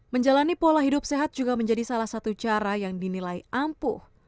menjalani pola hidup sehat juga menjadi salah satu cara yang dinilai ampuh